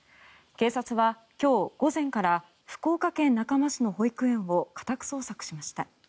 警察は今日午前から福岡県中間市の保育園を家宅捜索しました。